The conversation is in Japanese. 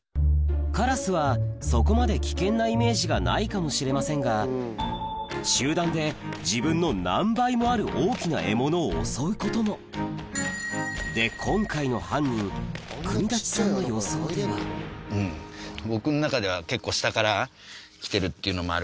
カラスはそこまで危険なイメージがないかもしれませんが集団で自分の何倍もある大きな獲物を襲うこともで今回の犯人國立さんの予想ではうん僕の中では結構。